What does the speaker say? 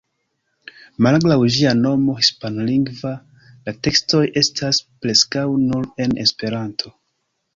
Malgraŭ ĝia nomo hispanlingva, la tekstoj estas preskaŭ nur en Esperanto.